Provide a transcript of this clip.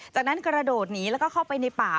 จากนั้นกระโดดหนีแล้วก็เข้าไปในป่า